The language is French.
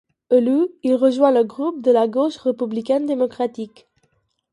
Élu, il rejoint le groupe de la Gauche républicaine démocratique.